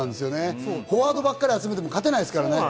フォワードばかり集めても勝てないですからね。